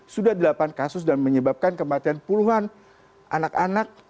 sudah delapan kasus dan menyebabkan kematian puluhan anak anak